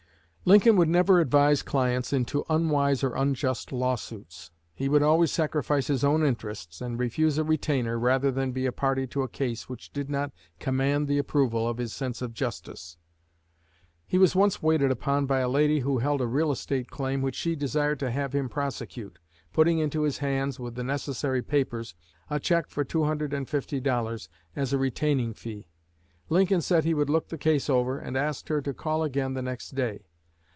Lincoln would never advise clients into unwise or unjust lawsuits. He would always sacrifice his own interests, and refuse a retainer, rather than be a party to a case which did not command the approval of his sense of justice. He was once waited upon by a lady who held a real estate claim which she desired to have him prosecute, putting into his hands, with the necessary papers, a check for two hundred and fifty dollars as a retaining fee. Lincoln said he would look the case over, and asked her to call again the next day.